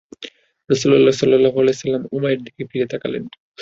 রাসূলুল্লাহ সাল্লাল্লাহু আলাইহি ওয়াসাল্লাম উমাইরের দিকে ফিরে তাকালেন।